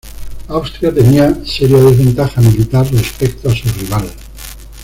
Austria tenía seria desventaja militar respecto a su rival.